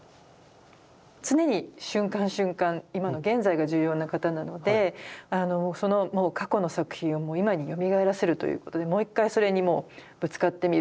常に瞬間瞬間今の現在が重要な方なので過去の作品を今によみがえらせるということでもう一回それにぶつかってみる。